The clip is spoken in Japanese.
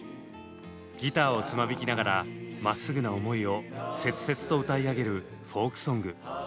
ギターをつま弾きながらまっすぐな思いを切々と歌い上げるフォークソング。